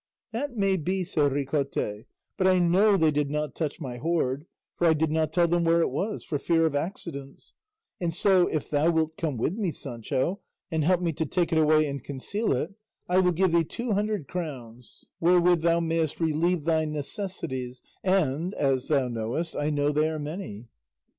"That may be," said Ricote; "but I know they did not touch my hoard, for I did not tell them where it was, for fear of accidents; and so, if thou wilt come with me, Sancho, and help me to take it away and conceal it, I will give thee two hundred crowns wherewith thou mayest relieve thy necessities, and, as thou knowest, I know they are many."